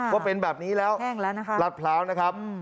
ว่าเป็นแบบนี้แล้วแห้งแล้วนะคะรัฐพร้าวนะครับ